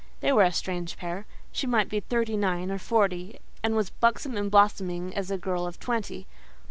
They were a strange pair. She might be thirty nine or forty, and was buxom and blooming as a girl of twenty.